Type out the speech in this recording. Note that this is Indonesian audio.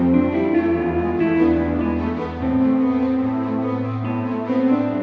mbak aku mau